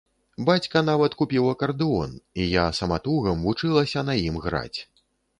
Бацька нават купіў акардэон, і я саматугам вучылася на ім граць.